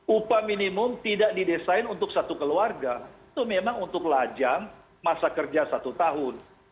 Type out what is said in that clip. upah minimum tidak didesain untuk satu keluarga itu memang untuk lajang masa kerja satu tahun